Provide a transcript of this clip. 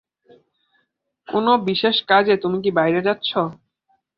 কোনো বিশেষ কাজে কি তুমি বাইরে যাচ্ছ?